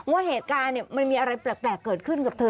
ว่าเหตุการณ์มันมีอะไรแปลกเกิดขึ้นกับเธอ